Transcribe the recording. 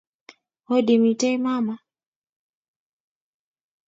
Hodi, mitei mama?